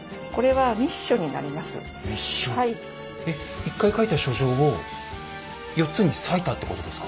えっ１回書いた書状を４つに裂いたってことですか？